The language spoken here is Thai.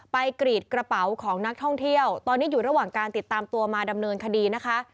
กรีดกระเป๋าของนักท่องเที่ยวตอนนี้อยู่ระหว่างการติดตามตัวมาดำเนินคดีนะคะ